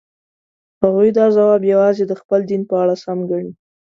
هغوی دا ځواب یوازې د خپل دین په اړه سم ګڼي.